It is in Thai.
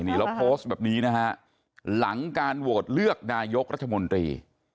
นี่เราโพสต์แบบนี้นะฮะหลังการโหวตเลือกนายกรัฐมนตรี